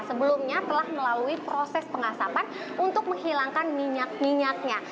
sebelumnya telah melalui proses pengasapan untuk menghilangkan minyak minyaknya